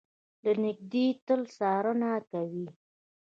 له نږدې يې تل څارنه کوي.